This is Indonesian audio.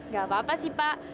gak apa apa sih pak